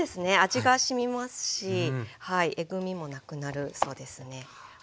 味がしみますしえぐみもなくなるそうですね。